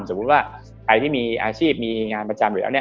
สมมุติว่าใครที่มีอาชีพมีงานประจำอยู่แล้วเนี่ย